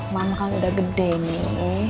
ma makan udah gede nih